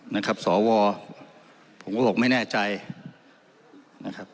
นะครับสวผมก็บอกไม่แน่ใจนะครับ